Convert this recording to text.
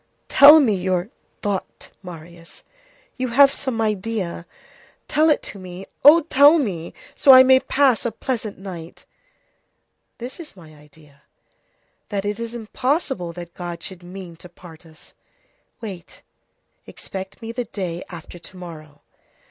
"Tell me your thought, Marius; you have some idea. Tell it to me. Oh! tell me, so that I may pass a pleasant night." "This is my idea: that it is impossible that God should mean to part us. Wait; expect me the day after to morrow."